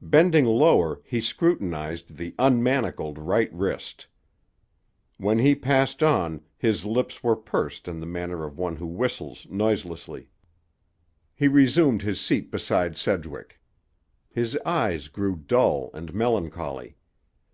Bending lower, he scrutinized the unmanacled right wrist. When he passed on his lips were pursed in the manner of one who whistles noiselessly. He resumed his seat beside Sedgwick. His eyes grew dull and melancholy.